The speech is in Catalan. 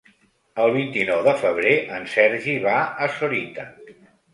El vint-i-nou de febrer en Sergi va a Sorita.